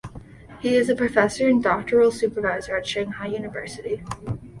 He is a professor and doctoral supervisor at Shanghai University.